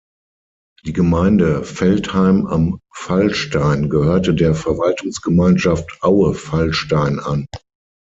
Die Gemeinde Veltheim am Fallstein gehörte der Verwaltungsgemeinschaft Aue-Fallstein an.